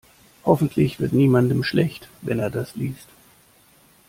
Hoffentlich wird niemandem schlecht, wenn er das liest.